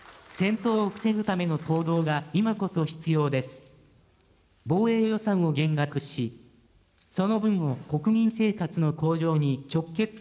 戦争を防ぐためのが今こそ必要です。